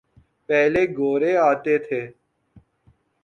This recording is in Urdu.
پہلے گورے آتے تھے۔